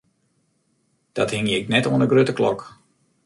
Dat hingje ik net oan 'e grutte klok.